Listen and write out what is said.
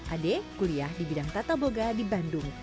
ade kuliah di bidang tata boga di bandung